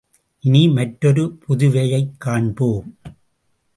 இனி மற்றொரு புதுவையைக் காண்போம்.